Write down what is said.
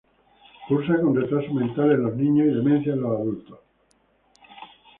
Cursa con retraso mental en los niños y demencia en los adultos.